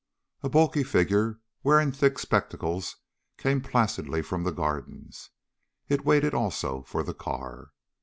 A bulky figure wearing thick spectacles came placidly from the Gardens. It waited, also, for the car.